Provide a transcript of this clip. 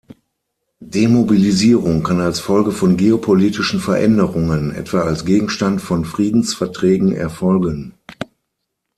Demobilisierung kann als Folge von geopolitischen Veränderungen, etwa als Gegenstand von Friedensverträgen erfolgen.